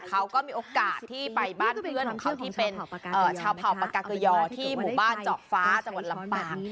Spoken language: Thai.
เขาก็มีโอกาสที่ไปบ้านเพื่อนของเขาที่เป็นชาวเผ่าปากาเกยอที่หมู่บ้านเจาะฟ้าจังหวัดลำปาง